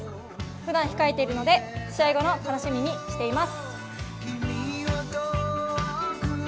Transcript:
ふだん控えているので試合後の楽しみにしています。